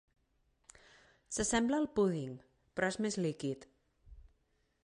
S'assembla al púding, però és més líquid.